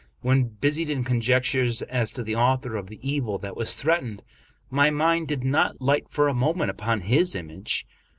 When busied in conjectures as to the author of the evil that was threat ened, my mind did not light for a moment upon his image.